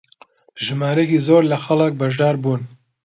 ژمارەیەکی زۆر لە خەڵک بەشدار بوون